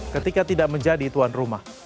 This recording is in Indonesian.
ketika tidak menjadi tuan rumah